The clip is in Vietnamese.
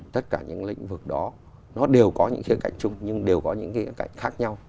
tất cả những lĩnh vực đó nó đều có những khía cạnh chung nhưng đều có những cái khía cạnh khác nhau